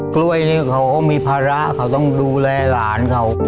กล้วยนี่เขาก็มีภาระเขาต้องดูแลหลานเขา